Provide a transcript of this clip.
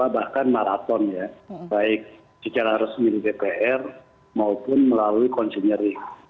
bahkan maraton ya baik secara resmi di dpr maupun melalui konsenering